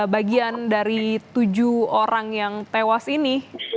bagian dari tujuh orang yang tewas ini